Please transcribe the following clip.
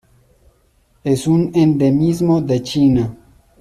Es un endemismo de China.